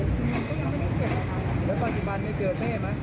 อืมก็ยังไม่ได้เกียรติอะไรแล้วปัจจุบันไม่เจอเต้มั้ย